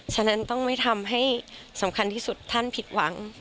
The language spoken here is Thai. ฉะนั้นต้องไม่ทำให้สำคัญที่สุดท่านผิดหวัง